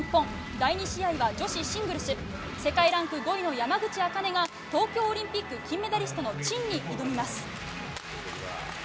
第２試合は女子シングルス世界ランク５位の山口茜が東京オリンピック金メダリストのチンに挑みます。